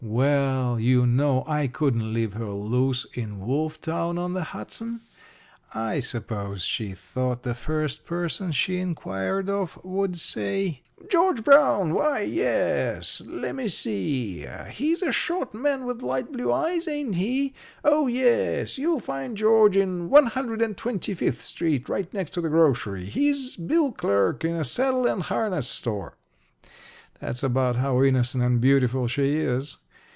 "Well, you know, I couldn't leave her loose in Wolftown on the Hudson. I suppose she thought the first person she inquired of would say: 'George Brown? why, yes lemme see he's a short man with light blue eyes, ain't he? Oh yes you'll find George on One Hundred and Twenty fifth Street, right next to the grocery. He's bill clerk in a saddle and harness store.' That's about how innocent and beautiful she is.